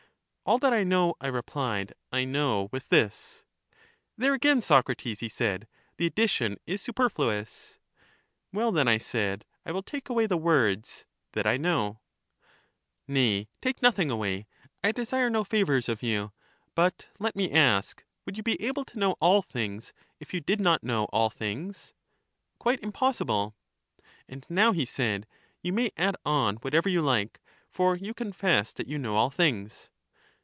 All that I know, I replied, I know with this. There again, Socrates, he said, the addition is su perfluous. Well, then, I said, I will take away the words, " that I know." Nay, take nothing away ; I desire no favors of you ; but let me ask : Would you be able to know all things, if you did not know all things? 258 EUTHYDEMUS Quite impossible. And now, he said, you may add on whatever you like, for you confess that you know all things.